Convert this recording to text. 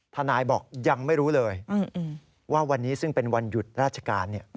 ทนายบอกยังไม่รู้เลยว่าวันนี้ซึ่งเป็นวันหยุดราชการ